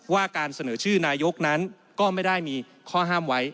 การเสนอชื่อนายกนั้นก็ไม่ได้มีข้อห้ามไว้